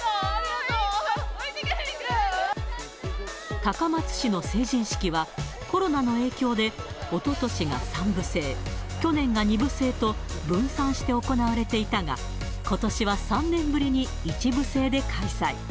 高松市の成人式は、コロナの影響で、おととしが３部制、去年が２部制と分散して行われていたが、ことしは３年ぶりに１部制で開催。